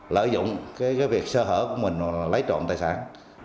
lợi dụng cái việc sơ hở của mình lấy trộm tài sản